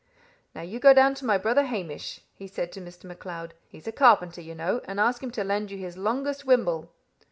"'Now you go down to my brother Hamish,' he said to Mr. MacLeod; 'he's a carpenter, you know, and ask him to lend you his longest wimble.